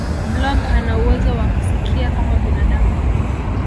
blob anauwezo wa kusikia kama binadamu